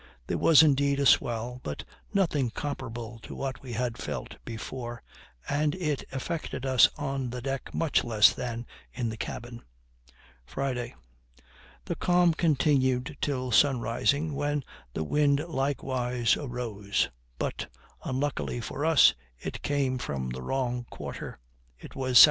There was indeed a swell, but nothing comparable to what we had felt before, and it affected us on the deck much less than in the cabin. Friday. The calm continued till sun rising, when the wind likewise arose, but unluckily for us it came from a wrong quarter; it was S.S.